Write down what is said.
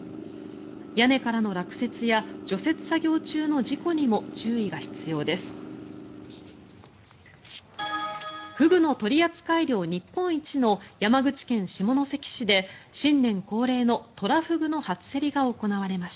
屋根からの落雪や除雪作業中の事故にも注意が必要です。